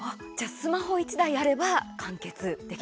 スマホ１台あれば完結できますね。